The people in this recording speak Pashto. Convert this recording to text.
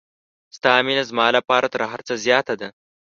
ستا مینه زما لپاره تر هر څه زیاته ده.